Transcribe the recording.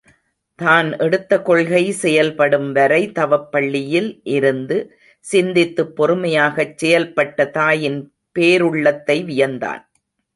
தான் எடுத்த கொள்கை செயல்படும்வரை தவப் பள்ளியில் இருந்து சிந்தித்துப் பொறுமையாகச் செயல்பட்ட தாயின் பேருள்ளத்தை வியந்தான்.